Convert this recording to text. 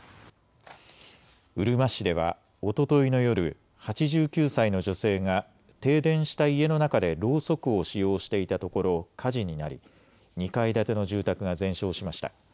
うるま市ではおとといの夜、８９歳の女性が停電した家の中でろうそくを使用していたところ火事になり２階建ての住宅が全焼しました。